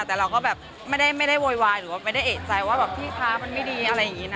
แต่เราก็แบบไม่ได้โวยวายหรือว่าไม่ได้เอกใจว่าแบบพี่คะมันไม่ดีอะไรอย่างนี้นะ